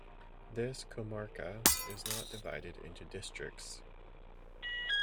This "comarca" is not divided into districts.